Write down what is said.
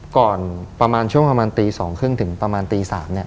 ก่อนประมาณช่วงประมาณตี๒๓๐ถึงประมาณตี๓เนี่ย